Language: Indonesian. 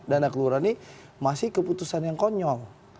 dana kelurahan ini masih keputusan yang konyol